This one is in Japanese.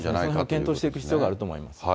検討していく必要があると思います。